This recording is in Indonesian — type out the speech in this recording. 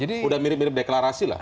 sudah mirip mirip deklarasi lah